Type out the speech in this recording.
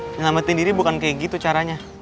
menyelamatkan diri bukan kayak gitu caranya